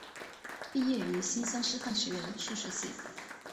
毕业于新乡师范学院数学系。